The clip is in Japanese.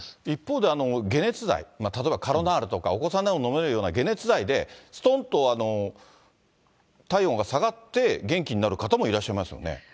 一方で解熱剤、例えばカロナールとか、お子さんでも飲めるような解熱剤で、すとんと体温が下がって、元気になる方もいらっしゃいますよね。